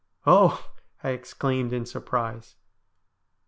' Oh ! 'I exclaimed in surprise.